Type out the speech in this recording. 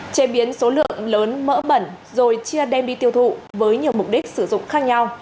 chế biến số lượng lớn mỡ bẩn rồi chia đem đi tiêu thụ với nhiều mục đích sử dụng khác nhau